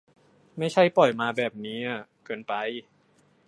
ไม่ใช่ปล่อยมาแบบนี้อะ เกินไป